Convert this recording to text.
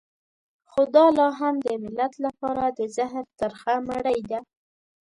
خو دا لا هم د ملت لپاره د زهر ترخه مړۍ ده.